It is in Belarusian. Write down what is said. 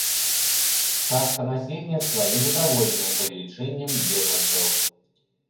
Частка насельніцтва незадаволеная павелічэннем бежанцаў.